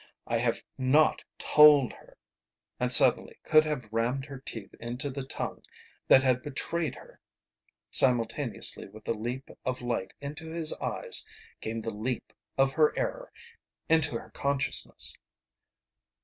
I have not told her " And suddenly could have rammed her teeth into the tongue that had betrayed her. Simultaneously with the leap of light into his eyes came the leap of her error into her consciousness.